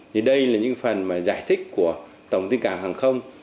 thì đây là những phần mà giải thích của tổng tư cảng hàng không